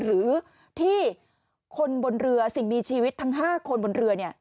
หรือที่คนบนเรือสิ่งมีชีวิตทั้ง๕คนบนเรือเนี่ย